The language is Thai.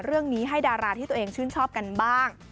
เรื่องนี้ให้ดาราที่ตัวเองชื่นชอบกันบ้าง